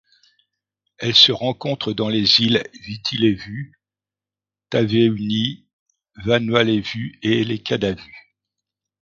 Elle se rencontre dans les îles Viti Levu, Taveuni, Vanua Levu et les Kadavu.